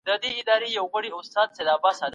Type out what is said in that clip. لوستې مور د ؛خوړو پاکوالی تضمينوي.